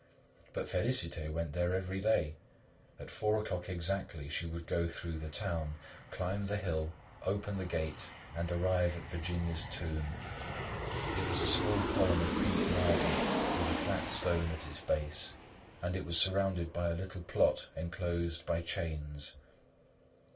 But Félicité went there every day. At four o'clock exactly, she would go through the town, climb the hill, open the gate and arrive at Virginia's tomb. It was a small column of pink marble with a flat stone at its base, and it was surrounded by a little plot enclosed by chains.